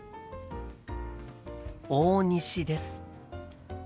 大西です。